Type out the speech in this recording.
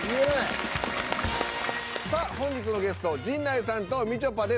さあ本日のゲスト陣内さんとみちょぱです。